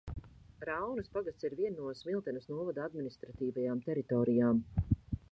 Raunas pagasts ir viena no Smiltenes novada administratīvajām teritorijām.